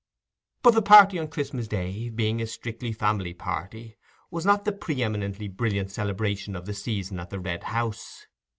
But the party on Christmas day, being a strictly family party, was not the pre eminently brilliant celebration of the season at the Red House.